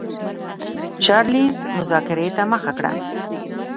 چارلېز مذاکرې ته مخه کړه.